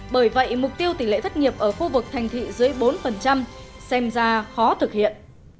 bởi vậy mục tiêu tỷ lệ thất nghiệp ở khu vực thành thị dưới bốn xem ra khó thực hiện